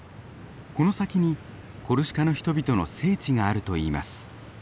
この先にコルシカの人々の聖地があるといいます。